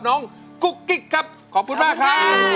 กุ๊กกิ๊กครับขอบคุณมากครับ